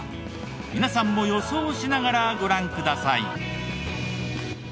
皆さんも予想しながらご覧ください。